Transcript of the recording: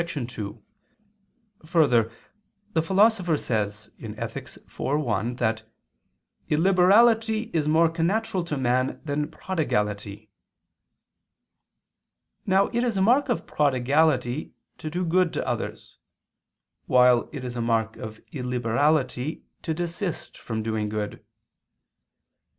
2: Further, the Philosopher says (Ethic. iv, 1) that "illiberality is more connatural to man than prodigality." Now it is a mark of prodigality to do good to others; while it is a mark of illiberality to desist from doing good.